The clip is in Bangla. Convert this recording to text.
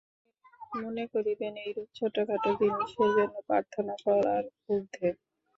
মনে করিবেন, এইরূপ ছোটখাটো জিনিষের জন্য প্রার্থনা করার ঊর্ধ্বে।